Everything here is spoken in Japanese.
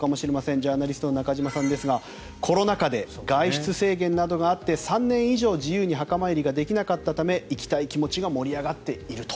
ジャーナリストの中島さんですがコロナ禍で外出制限などがあって３年以上、自由に墓参りができなかったため行きたい気持ちが盛り上がっていると。